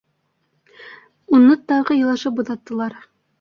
Уны тағы илашып оҙаттылар.